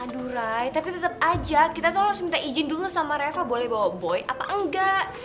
durai tapi tetap aja kita tuh harus minta izin dulu sama reva boleh bawa boy apa enggak